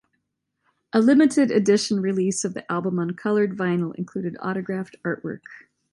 A limited edition release of the album on colored vinyl included autographed artwork.